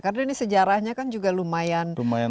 karena ini sejarahnya kan juga lumayan tua